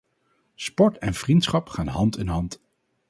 Sport en vriendschap gaan hand in hand.